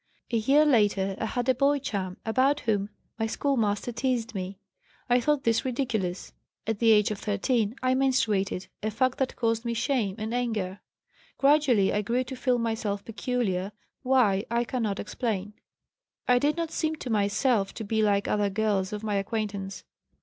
A year later I had a boy chum about whom my schoolmaster teased me. I thought this ridiculous. At the age of 13 I menstruated, a fact that caused me shame and anger. Gradually I grew to feel myself peculiar, why, I cannot explain. I did not seem to myself to be like other girls of my acquaintance.